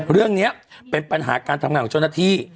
เรื่องนี้เป็นปัญหาการทำงานของเจ้าหน้าที่